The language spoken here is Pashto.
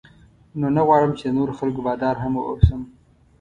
نو نه غواړم چې د نورو خلکو بادار هم واوسم.